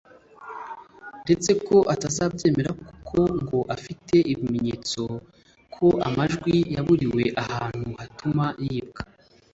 ndetse ko atazabyemera kuko ngo afite ibyemeza ko amajwi yabaruriwe ahantu hatuma yibwa